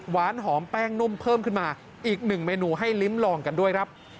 หวานหอมแป้งนุ่มเพิ่มขึ้นมาอีกหนึ่งเมนูให้ลิ้มลองกันด้วยครับ